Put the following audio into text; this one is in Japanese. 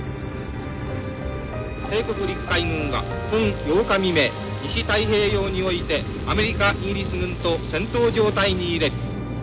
「帝国陸海軍は本８日未明西太平洋においてアメリカイギリス軍と戦闘状態にいれ」。